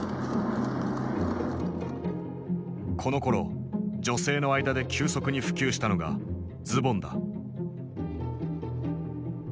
このころ女性の間で急速に普及したのがズボンだ。